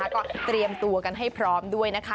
ก็เตรียมตัวกันให้พร้อมด้วยนะคะ